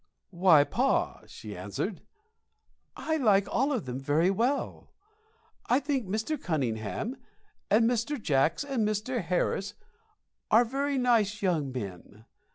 "Why, pa," she answered, "I like all of 'em very well. I think Mr. Cunningham and Mr. Jacks and Mr. Harris are very nice young men.